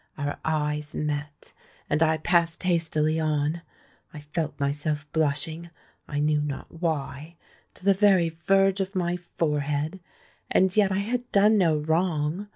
Our eyes met—and I passed hastily on. I felt myself blushing—I knew not why—to the very verge of my forehead. And yet I had done no wrong.